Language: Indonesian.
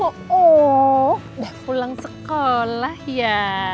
udah pulang sekolah ya